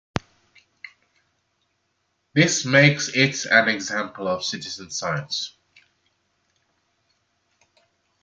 This makes it an example of citizen science.